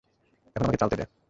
এখন আমাকে চালতে দে।